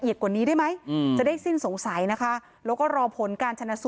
นี่ค่ะคือที่นี้ตัวใยทวดที่ทำให้สามีเธอเสียชีวิตรึเปล่าแล้วก็ไปพบศพในคลองหลังบ้าน